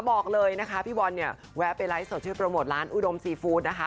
บอกเลยนะคะพี่บอลเนี่ยแวะไปไลฟ์สดชื่อโปรโมทร้านอุดมซีฟู้ดนะคะ